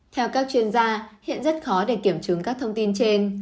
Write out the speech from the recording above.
theo các chuyên gia hiện rất khó để kiểm chứng các thông tin trên